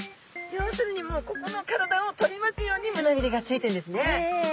要するにもうここの体を取り巻くようにむなびれがついてるんですね。